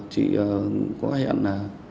chị có hẹn